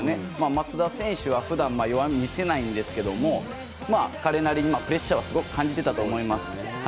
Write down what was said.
松田選手は普段弱みを見せないんですけど彼なりに、プレッシャーはすごく感じていたと思います。